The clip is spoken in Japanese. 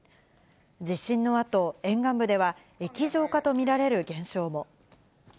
地震のあと沿岸部では液状化と見られる現象も。